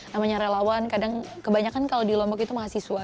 namanya relawan kadang kebanyakan kalau di lombok itu mahasiswa